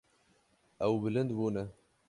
Ew bilind bûne.